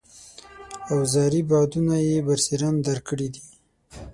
اوزاري بعدونه یې برسېرن درک کړي دي.